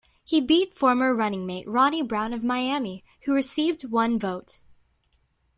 He beat former running mate Ronnie Brown of Miami, who received one vote.